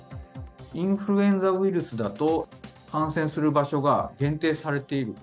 インフルエンザウイルスだと感染する場所が限定されている。